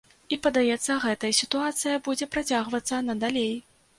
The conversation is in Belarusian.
І, падаецца, гэтая сітуацыя будзе працягвацца надалей.